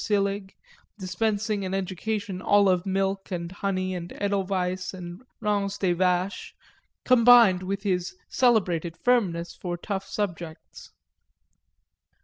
Sillig, dispensing an education all of milk and honey and edelweiss and ranz des vaches, combined with his celebrated firmness for tough subjects.